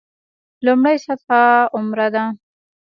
لومړۍ سطح عمره ده.